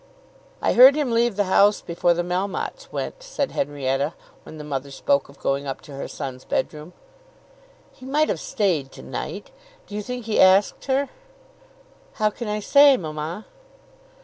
"I heard him leave the house before the Melmottes went," said Henrietta, when the mother spoke of going up to her son's bedroom. "He might have stayed to night. Do you think he asked her?" "How can I say, mamma?"